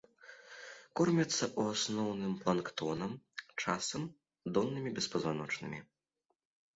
Корміцца ў асноўным планктонам, часам доннымі беспазваночнымі.